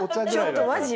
ちょっとマジ？